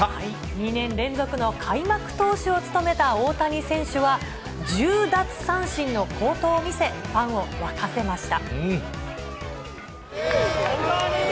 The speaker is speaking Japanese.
２年連続の開幕投手を務めた大谷選手は、１０奪三振の好投を見せ、ファンを沸かせました。